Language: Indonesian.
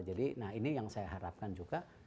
jadi nah ini yang saya harapkan juga